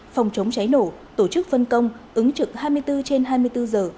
phòng chống cháy nổ tổ chức phân công ứng trực hai mươi bốn trên hai mươi bốn giờ